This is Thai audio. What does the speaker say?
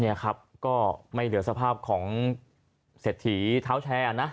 นี่ครับก็ไม่เหลือสภาพของเศรษฐีเท้าแชร์นะ